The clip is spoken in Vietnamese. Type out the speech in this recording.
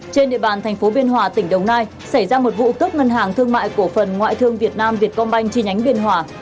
trên địa bàn thành phố biên hòa tỉnh đồng nai xảy ra một vụ cướp ngân hàng thương mại cổ phần ngoại thương việt nam việt công banh chi nhánh biên hòa